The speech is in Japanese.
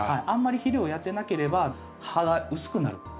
あんまり肥料をやってなければ葉が薄くなる。